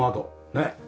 ねっ。